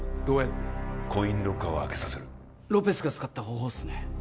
どうやってコインロッカーを開けさせるロペスが使った方法っすね